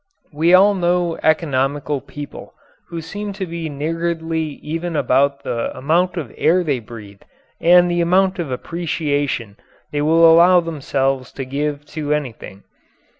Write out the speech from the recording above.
We all know "economical people" who seem to be niggardly even about the amount of air they breathe and the amount of appreciation they will allow themselves to give to anything.